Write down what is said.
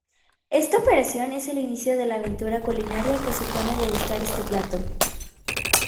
Esta operación es el inicio de la aventura culinaria que supone degustar este plato.